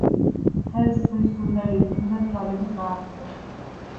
ხემ ზღვის სურნელი იგრძნო და თვალები გაახილა.